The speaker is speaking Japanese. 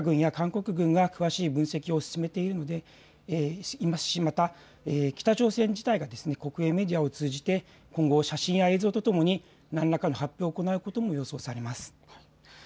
これについてはアメリカ軍や韓国軍が詳しい分析を進めているので北朝鮮自体が国営メディアを通じて今後、写真や映像とともに何らかの発表を行うことも予想されます。